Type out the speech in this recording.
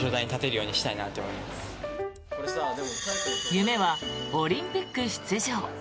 夢はオリンピック出場。